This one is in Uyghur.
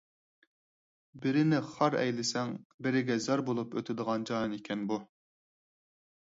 بىرىنى خار ئەيلىسەڭ، بىرىگە زار بولۇپ ئۆتىدىغان جاھان ئىكەن بۇ.